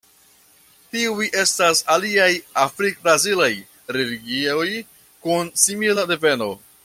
Tiuj estas aliaj afrik-brazilaj religioj kun simila deveno.